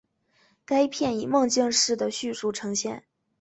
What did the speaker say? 该片以梦境式的叙述呈现。